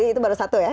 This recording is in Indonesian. itu baru satu ya